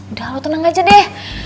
udah aku tenang aja deh